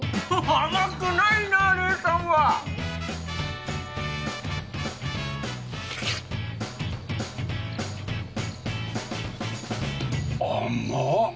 甘くないな礼さんは甘っ！